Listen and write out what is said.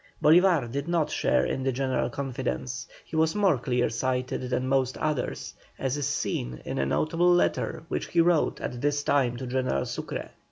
Bolívar did not share in the general confidence, he was more clear sighted than most others, as is seen in a notable letter which he wrote at this time to General Sucre.